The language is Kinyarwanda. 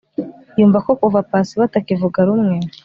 yumva ko kuva pasi batakivuga rumwe